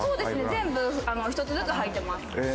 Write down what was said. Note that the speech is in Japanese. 全部一つずつ入ってます。